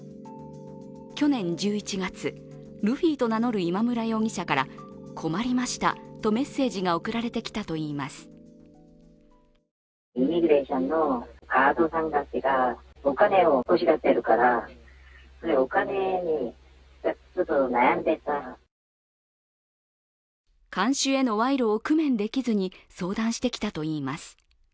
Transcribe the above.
去年１１月、ルフィと名乗る今村容疑者から「困りました」とメッセージが送られてきたといいます。看守への賄賂を工面できずに相談してきたといいます。